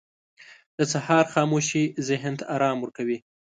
• د سهار خاموشي ذهن ته آرام ورکوي.